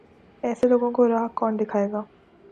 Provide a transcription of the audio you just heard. ایسے لوگوں کو راہ کون دکھائے گا؟